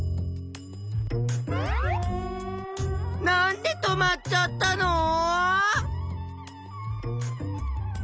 なんで止まっちゃったの？